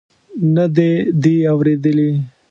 نه دې دي اورېدلي.